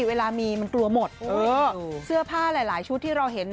เวลามีมันกลัวหมดเสื้อผ้าหลายชุดที่เราเห็น